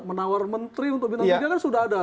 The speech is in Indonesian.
menawar menteri untuk bintang tiga kan sudah ada